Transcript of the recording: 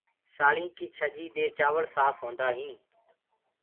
سآݪينٚ ڪي ڇڃي دي چآوݪ سآڦ هوندآ هينٚ۔